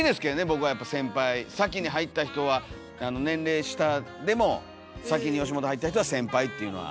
僕はやっぱ先輩先に入った人は年齢下でも先に吉本入った人は先輩っていうのは。